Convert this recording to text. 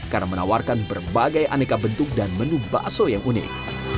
karena menawarkan berbagai aneka bentuk dan menu bakso yang unik